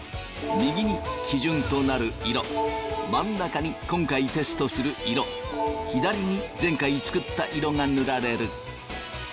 右に基準となる色真ん中に今回テストする色左に前回作った色が塗られる。